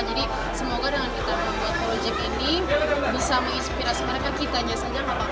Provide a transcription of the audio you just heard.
jadi semoga dengan kita membuat proyek ini bisa menginspirasi mereka kita aja saja